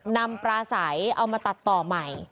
นำปลาใสเอามาตัดต่อใหม่